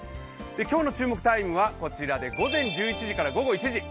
今日の注目タイムはこちらで午前１１時から午後１時。